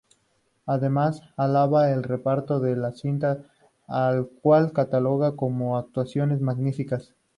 Además alaba el reparto de la cinta al cual cataloga como "actuaciones magníficas".